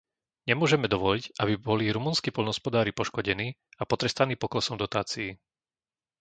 Nemôžeme dovoliť, aby boli rumunskí poľnohospodári poškodení a potrestaní poklesom dotácií.